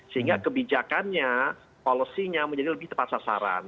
sehingga kebijakannya polosinya menjadi lebih tepat sasaran